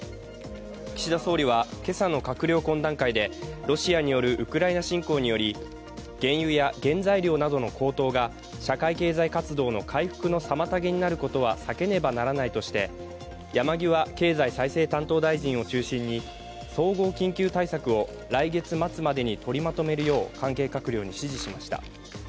岸田総理は、今朝の閣僚懇談会でロシアによるウクライナ侵攻により原油や原材料の高騰が社会経済活動の回復の妨げになることは避けねばならないとして、山際経済再生担当大臣を中心に総合緊急対策を来月末までに取りまとめるよう関係閣僚に指示しました。